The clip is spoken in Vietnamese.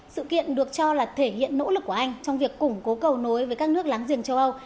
sự kiện được cho là thể hiện nỗ lực của anh trong việc củng cố cầu nối với các nước láng giềng châu âu